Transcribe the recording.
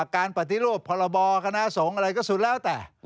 ปฏิรูปพรบคณะสงฆ์อะไรก็สุดแล้วแต่